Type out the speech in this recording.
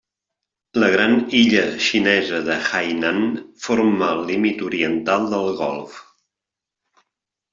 La gran illa xinesa de Hainan forma el límit oriental del golf.